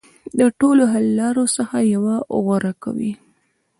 د ټولو حل لارو څخه یوه غوره کوي.